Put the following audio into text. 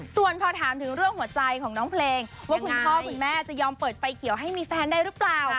ส่วนพอถามถึงเรื่องหัวใจของน้องเพลงว่าคุณพ่อคุณแม่จะยอมเปิดไฟเขียวให้มีแฟนได้หรือเปล่า